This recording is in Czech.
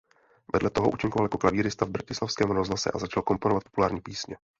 Vedle toho účinkoval jako klavírista v bratislavském rozhlase a začal komponovat populární písně.